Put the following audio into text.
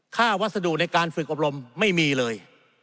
วัสดุในการฝึกอบรมไม่มีเลย